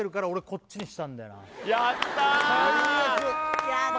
こっちにしたんだよなやった！